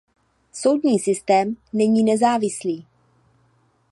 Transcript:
Soudní systém není nezávislý.